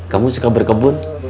kamu suka berkebun